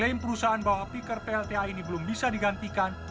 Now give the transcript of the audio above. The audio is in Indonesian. klaim perusahaan bahwa piker plta ini belum bisa digantikan